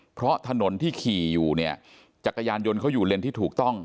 เพราะถนนที่ขี่อยู่เนี่ยจักรยานยนต์เขาอยู่เลนที่ถูกต้อง